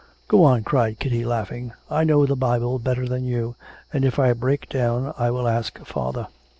'Go on,' cried Kitty, laughing. 'I know the Bible better than you, and if I break down I will ask father.'